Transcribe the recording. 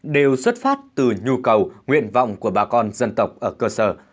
đều xuất phát từ nhu cầu nguyện vọng của bà con dân tộc ở cơ sở